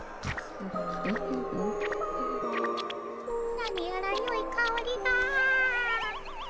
何やらよいかおりが。